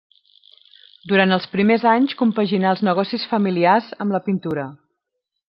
Durant els primers anys compaginà els negocis familiars amb la pintura.